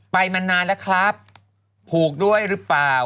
ไปมานานแล้วครับผูกด้วยหรือเปล่า